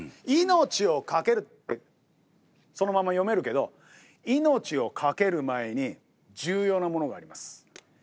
命を懸けるってそのまま読めるけど命を懸ける前に重要なものがあります。